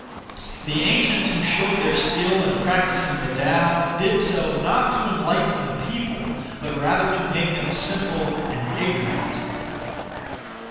The ancients who showed their skill in practising the Tao did so, not to enlighten the people, but rather to make them simple and ignorant.